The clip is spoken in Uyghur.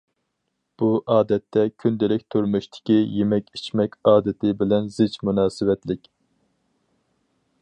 بۇ ئادەتتە كۈندىلىك تۇرمۇشتىكى يېمەك- ئىچمەك ئادىتى بىلەن زىچ مۇناسىۋەتلىك.